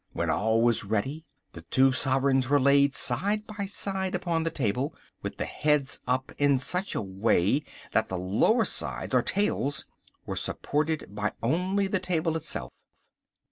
When all was ready the two sovereigns were laid side by side upon the table, with the heads up in such a way that the lower sides or tails were supported by only the table itself.